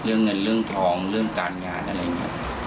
เรื่องเงินเรื่องทองเรื่องการงานอะไรอย่างนี้